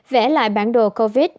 vẽ lại bản đồ covid